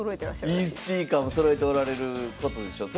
いいスピーカーもそろえておられることでしょう。